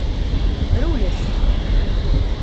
Rewlet!